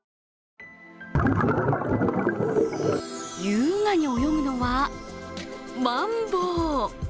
優雅に泳ぐのは、マンボウ。